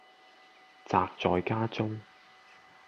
宅在家中